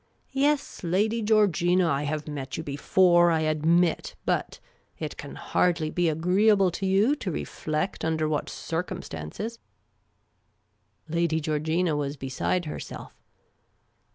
" Yes, Lady Georgina, I have met you before, I admit ; but — it can hardly be agree able to you to reflect under what circumstances." Lady Georgina was beside herself.